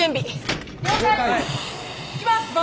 行きます！